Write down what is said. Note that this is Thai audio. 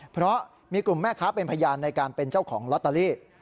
เพราะมีกลุ่มแม่ค้าเป็นพยานในการเป็นเจ้าของลอตเตอรี่